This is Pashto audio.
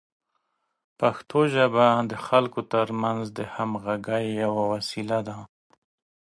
پښتو ژبه د خلکو ترمنځ د همغږۍ یوه وسیله ده.